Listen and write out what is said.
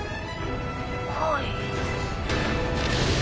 はい。